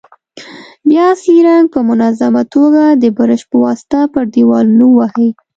بیا اصلي رنګ په منظمه توګه د برش په واسطه پر دېوالونو ووهئ.